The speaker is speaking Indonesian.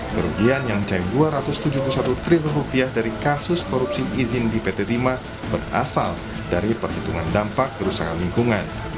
kerugian yang mencapai dua ratus tujuh puluh satu triliun dari kasus korupsi izin di pt timah berasal dari perhitungan dampak kerusakan lingkungan